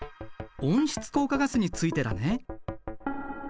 温室効果ガスについてだね。